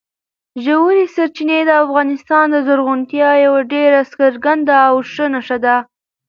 ژورې سرچینې د افغانستان د زرغونتیا یوه ډېره څرګنده او ښه نښه ده.